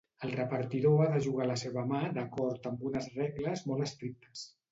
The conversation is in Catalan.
El repartidor ha de jugar la seva mà d'acord amb unes regles molt estrictes.